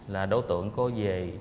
là đối tượng có về